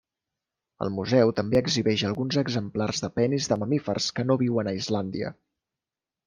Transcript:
El museu també exhibeix alguns exemplars de penis de mamífers que no viuen a Islàndia.